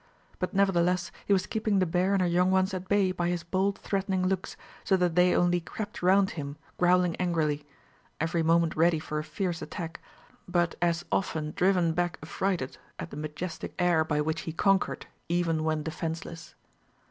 But nevertheless he was keeping the bear and her young ones at bay by his bold threatening looks, so that they only crept round him, growling angrily; every moment ready for a fierce attack, but as often driven back affrighted at the majestic air by which he conquered even when defenceless.